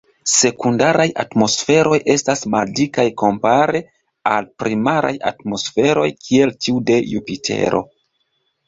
Sekundaraj atmosferoj estas maldikaj kompare al primaraj atmosferoj kiel tiu de Jupitero.